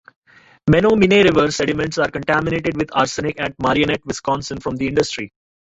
Menominee River sediments are contaminated with arsenic at Marinette, Wisconsin from industry.